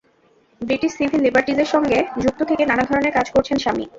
British civil লিবার্টিজের সঙ্গে যুক্ত থেকে নানা ধরনের কাজ করছেন শামি।